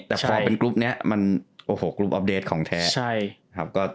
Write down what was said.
แต่พอเป็นกรุ๊ปเนี้ยมันโอ้โหกรุ๊ปของแท้ใช่ครับก็